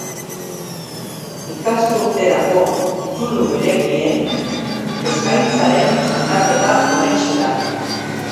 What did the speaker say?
Ikasturterako titulu berekien eskaintzaren aldaketa onetsi da.